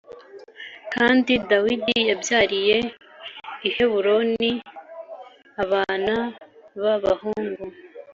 Kandi Dawidi yabyariye i Heburoni abana b’abahungu